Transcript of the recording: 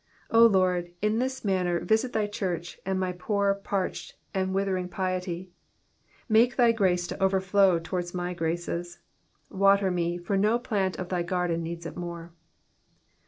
O Lord, in this manner visit thy church, and my poor, parched, and withering piety. Make thy grace to overflow towards my graces ; water me, for no plant of thy garden needs it more.